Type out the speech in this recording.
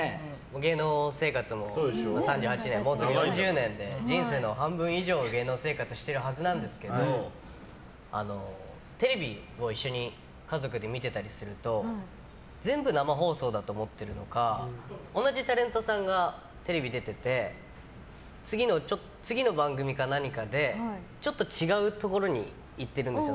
芸能生活も３８年もうすぐ４０年で人生の半分以上を芸能生活してるはずなんですけどテレビを一緒に家族で見てたりすると全部生放送だと思ってるのか同じタレントさんがテレビ出てて次の番組か何かでちょっと違うところに行ってるんですよ。